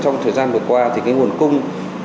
trong thời gian vừa qua thì cái nguồn cung